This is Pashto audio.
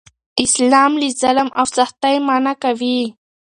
اسلام له ظلم او سختۍ منع کوي.